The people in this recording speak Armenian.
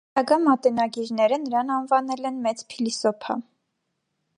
Հետագա մատենագիրները նրան անվանել են «մեծ փիլիսոփա»։